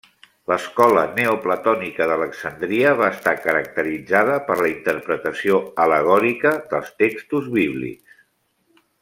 L'Escola neoplatònica d'Alexandria va estar caracteritzada per la interpretació al·legòrica dels textos bíblics.